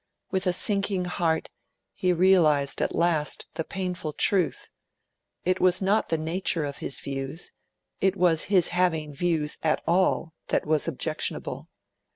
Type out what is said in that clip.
With a sinking heart, he realised at last the painful truth: it was not the nature of his views, it was his having views at all, that was objectionable.